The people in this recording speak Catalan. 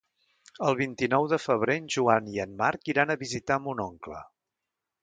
El vint-i-nou de febrer en Joan i en Marc iran a visitar mon oncle.